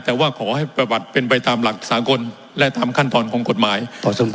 แต่ว่าขอให้ประวัติเป็นไปตามหลักสากลและตามขั้นตอนของกฎหมายต่อสู้